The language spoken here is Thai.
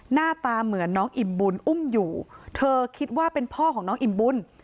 หน้าตาเหมือนน้องอิ่มบุญอุ้มอยู่เธอคิดว่าเป็นพ่อของน้องอิ่มบุญ